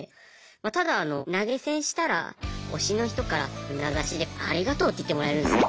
ただ投げ銭したら推しの人から名指しで「ありがとう」って言ってもらえるんですよ。